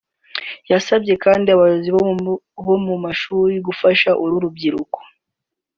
yasabye kandi abayobozi bo mu mashuri gufasha uru rubyiruko